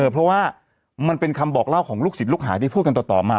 เพราะว่ามันเป็นคำบอกเล่าของลูกศิษย์ลูกหาที่พูดกันต่อมา